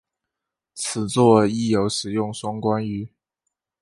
此作亦有使用双关语。